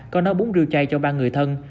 có nói bốn rượu chay cho ba người thân